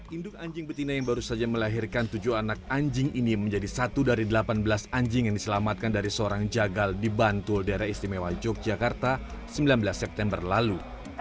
induk anjing betina yang baru saja melahirkan tujuh anak anjing ini menjadi satu dari delapan belas anjing yang diselamatkan dari seorang jagal di bantul daerah istimewa yogyakarta sembilan belas september lalu